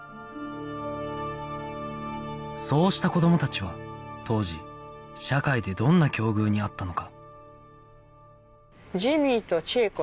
そうした子どもたちは当時社会でどんな境遇にあったのか